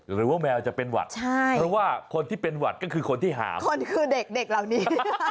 หรือว่าแมวจะเป็นหวัดเพราะว่าคนที่เป็นหวัดก็คือคนที่หามคนคือเด็กเหล่านี้